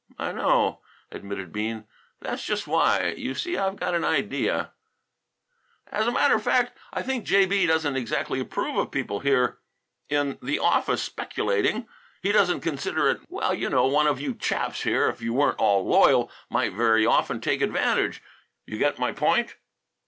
"I know," admitted Bean, "and that's just why. You see I've got an idea " "As a matter of fact, I think J.B. doesn't exactly approve of his people here in the office speculating. He doesn't consider it ... well, you know one of you chaps here, if you weren't all loyal, might very often take advantage you get my point?"